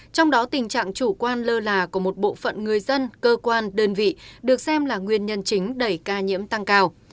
trong đó tình trạng chủ quan lơ là của một bộ phận người dân cơ quan đơn vị được xem là nguyên nhân chính đẩy ca nhiễm tăng cao